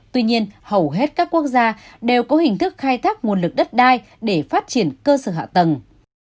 tuy nhiên hầu hết các quốc gia đều có hình thức khai thác nguồn lực đất đai để phát triển cơ sở hạ tầng